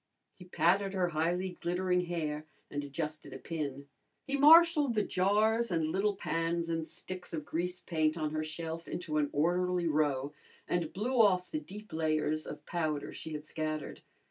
He patted her highly glittering hair and adjusted a pin. He marshalled the jars and little pans and sticks of grease paint on her shelf into an orderly row and blew off the deep layers of powder she had scattered.